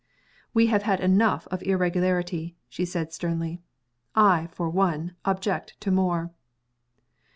"We have had enough of irregularity," she said sternly. "I, for one, object to more."